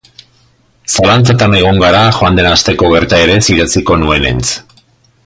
Zalantzatan egon gara joan den asteko gertaerez idatziko nuenentz.